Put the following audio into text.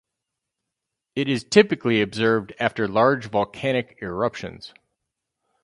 It is typically observed after large volcanic eruptions.